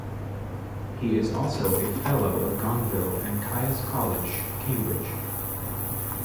He is also a Fellow of Gonville and Caius College, Cambridge.